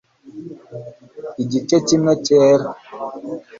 igice kimwe cyera